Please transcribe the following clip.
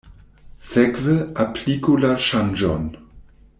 Sekve, apliku la ŝanĝon.